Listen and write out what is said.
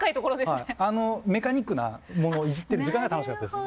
メカニックなものをいじってる時間が楽しかったです。